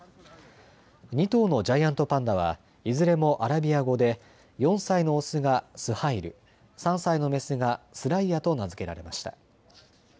２頭のジャイアントパンダはいずれもアラビア語で４歳のオスがスハイル、３歳のメスがスライヤと名付けられました。